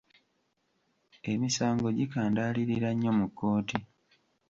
Emisango gikandaalirira nnyo mu kkooti.